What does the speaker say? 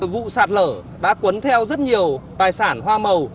vụ sạt lở đã cuốn theo rất nhiều tài sản hoa màu